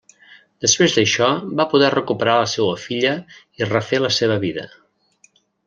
Després d'això va poder recuperar a la seva filla i refer la seva vida.